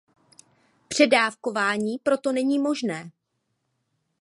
Předávkování proto není možné.